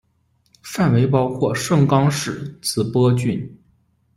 范围包括盛冈市、紫波郡。